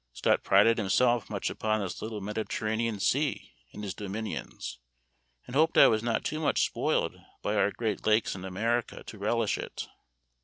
Scott prided himself much upon this little Mediterranean sea in his dominions, and hoped I was not too much spoiled by our great lakes in America to relish it.